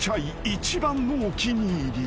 一番のお気に入り］